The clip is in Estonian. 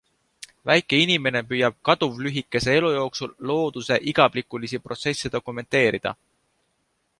Väike inimene püüab kaduvlühikese elu jooksul looduse igavikulisi protsesse dokumenteerida.